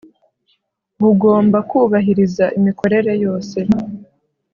bugomba kubahiriza imikorere yose